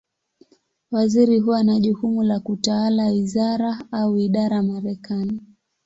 Waziri huwa na jukumu la kutawala wizara, au idara Marekani.